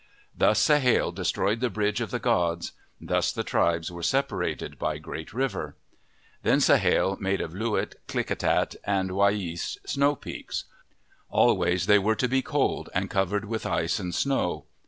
Thus Sahale destroyed the bridge of the gods. Thus the tribes were separated by Great River. Then Sahale made of Loo wit, Klickitat, and Wiy east snow peaks. Always they were to be cold and covered with ice and snow.